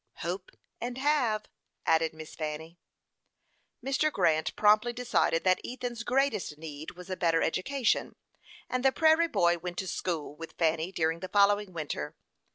"Hope and have," added Miss Fanny. Mr. Grant promptly decided that Ethan's greatest need was a better education, and the prairie boy went to school with Fanny during the following winter.